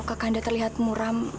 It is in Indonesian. kakanda terlihat muram